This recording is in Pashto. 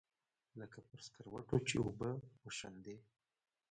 لکه پر سکروټو چې اوبه وشيندې.